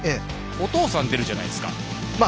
お父さんが出るじゃないですか。